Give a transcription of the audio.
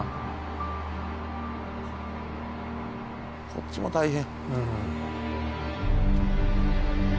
こっちも大変。